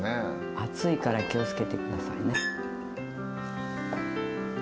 熱いから気を付けて下さいね。